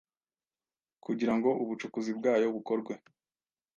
kugira ngo ubucukuzi bwayo bukorwe